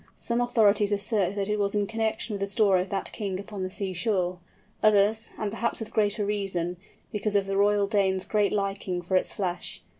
Some authorities assert that it was in connection with the story of that king upon the seashore; others, and perhaps with greater reason, because of the Royal Dane's great liking for its flesh.